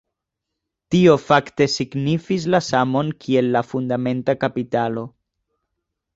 Tio fakte signifis la samon kiel la fundamenta kapitalo.